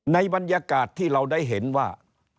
ในบรรยากาศที่เราได้เห็นว่า